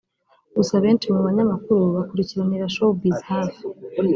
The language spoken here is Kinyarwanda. Gusa benshi mu banyamakuru bakurikiranira Showbizz hafi